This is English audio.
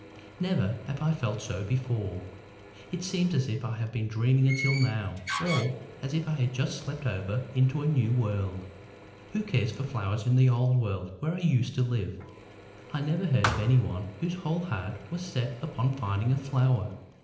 Never have I felt so before. It seems as if I had been dreaming until now or as if I had just slept over into a new world. "Who cared for flowers in the old world where I used to live? I never heard of anyone whose whole heart was set upon finding a flower.